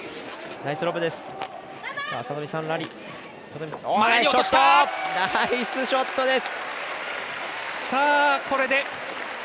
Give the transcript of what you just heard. ナイスショットです！